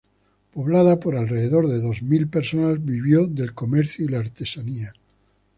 Poblada por alrededor de dos mil personas, vivió del comercio y la artesanía.